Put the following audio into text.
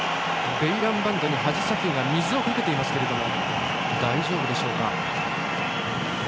ベイランバンドに水をかけていますが大丈夫でしょうか。